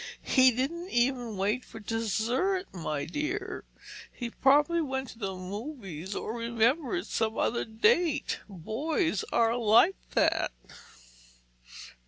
"He didn't even wait for dessert, my dear. He probably went to the movies or remembered some other date. Boys are like that!"